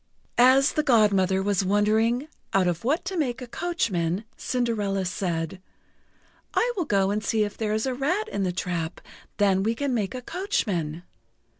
As the Godmother was wondering out of what to make a coachman, Cinderella said: "I will go and see if there is a rat in the trap then we can make a coachman."